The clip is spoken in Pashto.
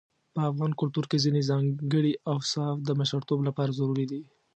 په افغان کلتور کې ځينې ځانګړي اوصاف د مشرتوب لپاره ضروري دي.